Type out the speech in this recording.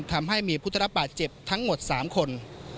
ทำให้มีผู้ได้รับบาดเจ็บทั้งหมด๓คน